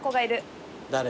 誰？